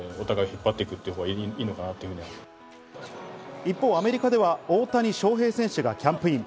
一方、アメリカでは大谷翔平選手がキャンプイン。